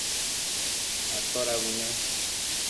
atoda bune?